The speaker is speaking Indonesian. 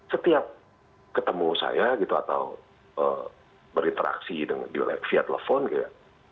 setiap ketemu saya gitu atau berinteraksi dengan dia lihat siat lepon gitu